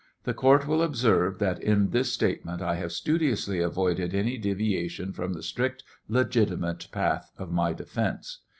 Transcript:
The court will observe that in this statement I have studiously avoided any deviation from the strict, legitimate path of my defence.